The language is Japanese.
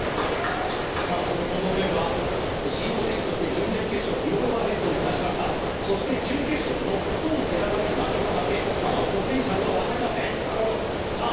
さあその近藤廉はシード選手として準々決勝リボルバー・ヘッドを下しましたそして準決勝ノッコン寺田に負けただけまだポテンシャルは分かりませんさあ